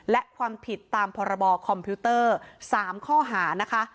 และความผิดตามพรบคอมพิวเตอร์๓ข้อหานะคะ